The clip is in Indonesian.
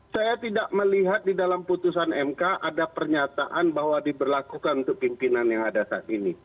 saya tidak melihat di dalam putusan mk ada pernyataan bahwa diberlakukan untuk pimpinan yang ada saat ini